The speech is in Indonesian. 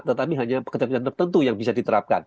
tetapi hanya kebijakan tertentu yang bisa diterapkan